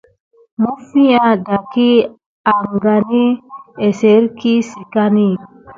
Məffia daki angani aserki sikani.